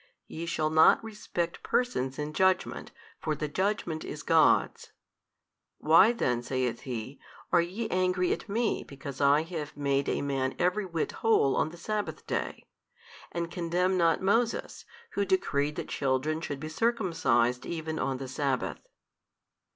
Ye shall not respect persons in judgment, for the judgment is God's. why then (saith He) are ye angry at Me because I have made a man every whit whole on the sabbath day, and condemn not Moses who decreed that children should be circumcised even on the sabbath.